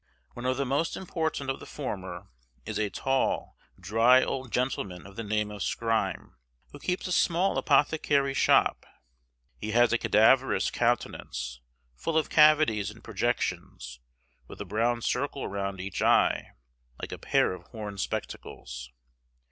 One of the most important of the former is a tall, dry old gentleman of the name of Skryme, who keeps a small apothecary's shop. He has a cadaverous countenance, full of cavities and projections, with a brown circle round each eye, like a pair of horn spectacles.